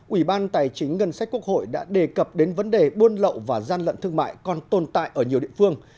ủy ban tài chính ngân sách quốc hội đã đề cập đến vấn đề buôn lậu và gian lận thương mại còn tồn tại ở nhiều địa phương